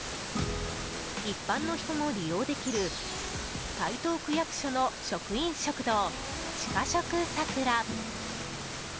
一般の人も利用できる台東区役所の職員食堂チカショクさくら。